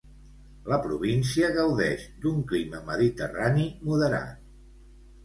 La província gaudeix d'un clima mediterrani moderat.